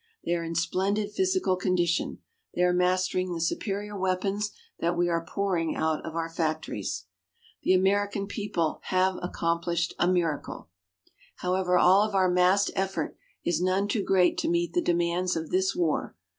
They are in splendid physical condition. They are mastering the superior weapons that we are pouring out of our factories. The American people have accomplished a miracle. However, all of our massed effort is none too great to meet the demands of this war.